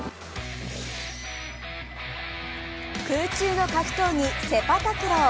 空中の格闘技セパタクロー。